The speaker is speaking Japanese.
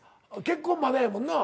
結婚まだやもんな？